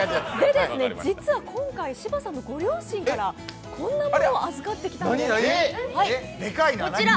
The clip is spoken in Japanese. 実は今回、芝さんのご両親からこんなものを預かってきたんです、こちら。